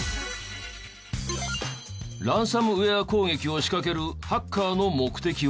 ランサムウェア攻撃を仕掛けるハッカーの目的は？